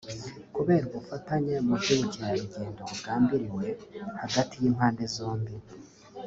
kubera ubufatanye mu by’ubukerarugendo bugambiriwe hagati y’impande zombi